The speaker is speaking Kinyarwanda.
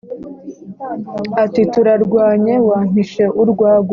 ati : turarwanye wampishe urwagwa